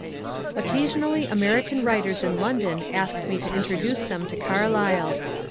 Occasionally American writers in London asked me to introduce them to Carlyle.